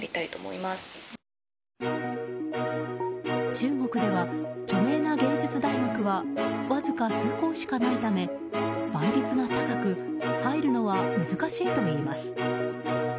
中国では著名な芸術大学はわずか数校しかないため倍率が高く入るのは難しいといいます。